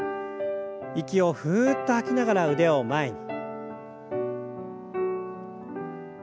息をふっと吐きながら腕を前に。